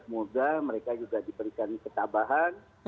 mereka juga diberikan ketabahan